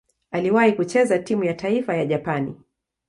Aliwahi kucheza timu ya taifa ya Japani.